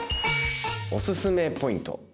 おすすめポイント。